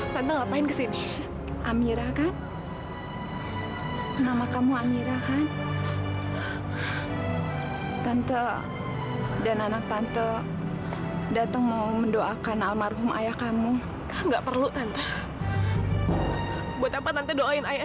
sampai jumpa di video selanjutnya